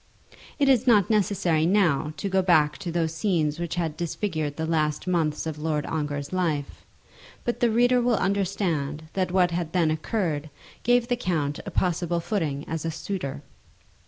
It is not necessary now to go back to those scenes which had disfigured the last months of Lord Ongar's life, but the reader will understand that what had then occurred gave the count a possible footing as a suitor.